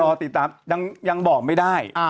รอติดตามยังบอกไม่ได้